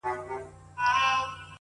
• د زړه ملا مي راته وايي دغه ـ